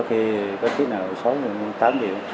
có khi có chiếc nào xói tám triệu